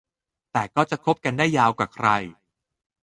แต่ก็จะคบกันได้ยาวกว่าใคร